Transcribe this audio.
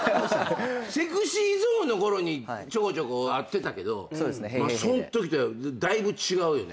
『ＳｅｘｙＺｏｎｅ』のころにちょこちょこ会ってたけどそんときとはだいぶ違うよね。